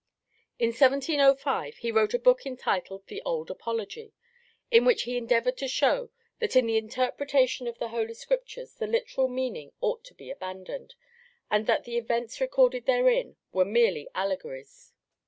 In 1705 he wrote a book entitled The Old Apology, in which he endeavoured to show that in the interpretation of the Holy Scriptures the literal meaning ought to be abandoned, and that the events recorded therein were merely allegories.